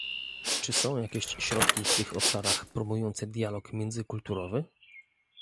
Czy są jakieś środki w tych obszarach promujące dialog międzykulturowy?